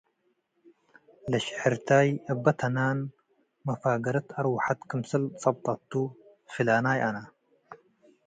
ለሽሕርታይ እበ ተናን መፋገረት አርወሐት ክምሰል ጸብጠቱ፡ “ፍላናይ አነ።